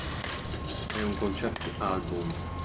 È un concept album.